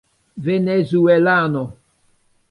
venezuelano